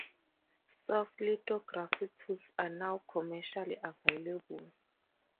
Soft lithography tools are now commercially available.